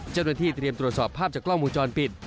เจ้าหน้าที่เตรียมตรวจสอบภาพจากกล้องวงจรปิด